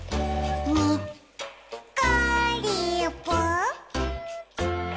「にっこりぽっ」